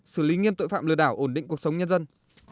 xử lý nghiêm tội phạm lừa đảo ổn định cuộc sống nhân dân